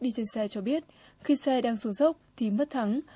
đi trên xe cho biết khi xe đang xuống dốc thì mất thắng